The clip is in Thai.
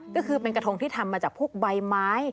ก็คือเป็นกระทงที่ทำมาจากพวกใบไม้